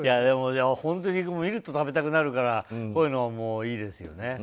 でも本当に見ると食べたくなるからこういうの、いいですよね。